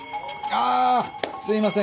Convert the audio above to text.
あぁすいません